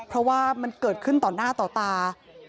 เพราะว่ามันเกิดขึ้นต่อหน้าต่อตา